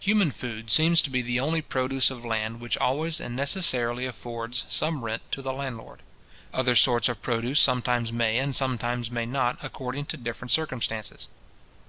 Human food seems to be the only produce of land, which always and necessarily affords some rent to the landlord. Other sorts of produce sometimes may, and sometimes may not, according to different circumstances.